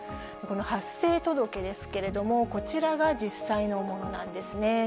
この発生届ですけれども、こちらが実際のものなんですね。